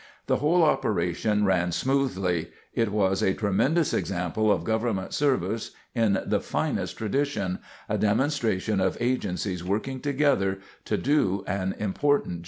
The whole operation ran smoothly—it was a tremendous example of government service in the finest tradition—a demonstration of agencies working together to do an important job.